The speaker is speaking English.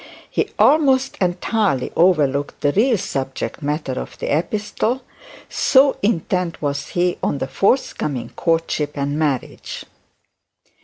He almost entirely overlooked the real subject matter of the epistle; so intent was he on the forthcoming courtship and marriage.